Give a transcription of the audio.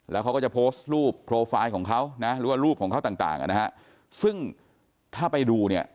แล้วเขาก็จะโพสต์รูปโพลไฟล์ของเขานะรูปของเขาต่างนะซึ่งถ้าไปดูเนี่ย